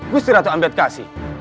gusti ratu ambedkasi